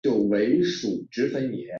在鳃缝后面上端据一个黑色大圆斑。